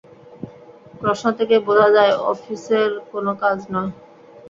প্রশ্ন থেকেই বোঝা যায় অফিসের কোনো কাজ নয়।